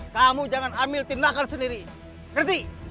kamu jangan ambil tindakan sendiri ngerti